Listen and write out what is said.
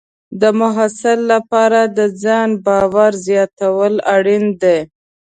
د محصل لپاره د ځان باور زیاتول اړین دي.